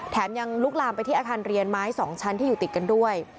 ยังลุกลามไปที่อาคารเรียนไม้๒ชั้นที่อยู่ติดกันด้วย